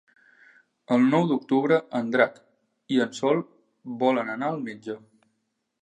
El nou d'octubre en Drac i en Sol volen anar al metge.